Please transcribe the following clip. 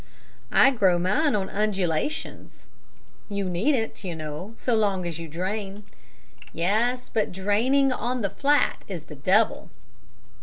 "I grow mine on undulations." "You needn't, you know, so long as you drain." "Yes, but draining on the flat is the devil."